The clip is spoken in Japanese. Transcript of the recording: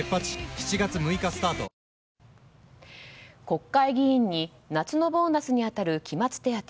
国会議員に夏のボーナスに当たる期末手当